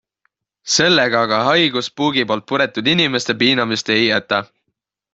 Sellega aga haigus puugi poolt puretud inimese piinamist ei jäta.